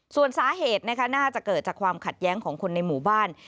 ส่วนสาเหตุน่าจะเกิดจากความขัดแย้งของคนในหมู่บ้าน